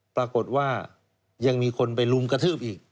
ปรากฏว่ายังมีคนไปลุมกระทืบอีก